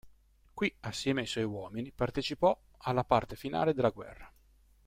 Qui, assieme ai suoi uomini, partecipò alla parte finale della guerra.